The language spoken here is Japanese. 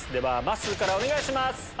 まっすーからお願いします。